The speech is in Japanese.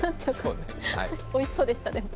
でもおいしそうでした。